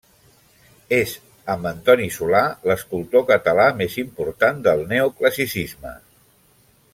És, amb Antoni Solà, l'escultor català més important del Neoclassicisme.